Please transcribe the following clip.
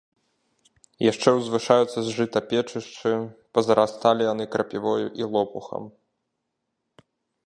Яшчэ ўзвышаюцца з жыта печышчы, пазарасталі яны крапівою і лопухам.